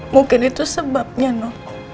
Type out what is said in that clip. mungkin itu sebabnya nino